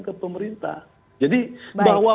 ke pemerintah jadi bahwa